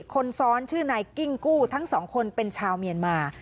คนซ้อนชื่อนายกิ้งกู้ทั้งสองคนเป็นชาวเมียนมา